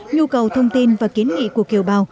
nhu cầu thông tin và kiến nghị của kiều bào